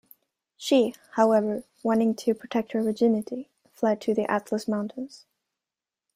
She, however, wanting to protect her virginity, fled to the Atlas mountains.